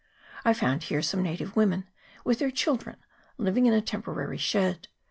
I found here some native women, with their children, living in a temporary shed.